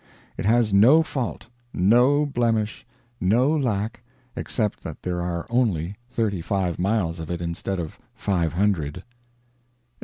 It has no fault, no blemish, no lack, except that there are only thirty five miles of it instead of five hundred.